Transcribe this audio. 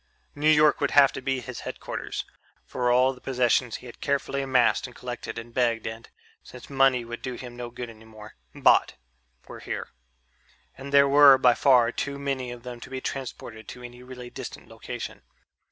New York would have to be his headquarters, for all the possessions he had carefully amassed and collected and begged and since money would do him no good any more bought, were here. And there were by far too many of them to be transported to any really distant location.